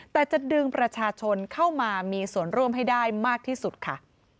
แต่จะดึงประชาชนเข้ามามีส่วนร่วมให้ได้มากที่สุดค่ะ